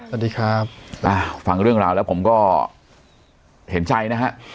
สวัสดีครับฟังเรื่องราวแล้วผมก็เห็นใจนะฮะ